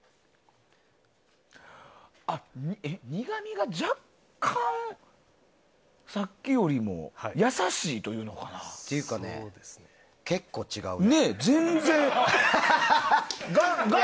苦味が若干さっきよりも優しいというのかな。というかね、結構違う。